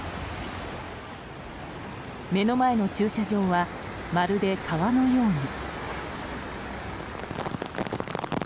目の前の駐車場はまるで川のように。